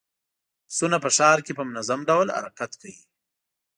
بسونه په ښار کې په منظم ډول حرکت کوي.